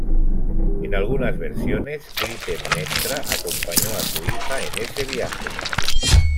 En algunas versiones, Clitemnestra acompañó a su hija en ese viaje.